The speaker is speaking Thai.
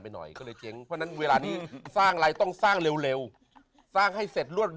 มันบอกว่าจังทุกข้ามเจ็บมาก